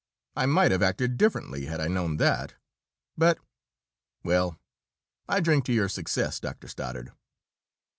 I might have acted differently, had I known that, but well, I drink to your success, Doctor Stoddard!"